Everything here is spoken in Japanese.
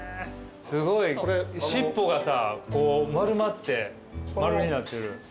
すごい尻尾がさ丸まって丸になってる。